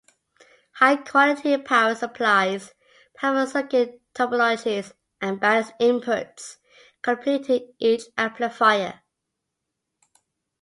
High quality power supplies, powerful circuit topologies, and balanced inputs completed each amplifier.